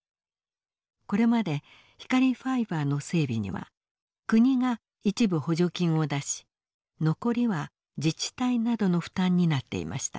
これまで光ファイバーの整備には国が一部補助金を出し残りは自治体などの負担になっていました。